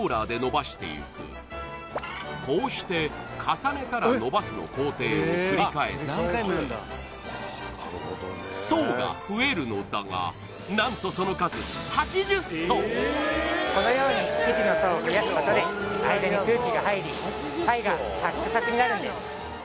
さらにこの生地をこうして層が増えるのだが何とその数このように生地の層を増やすことで間に空気が入りパイがサックサクになるんです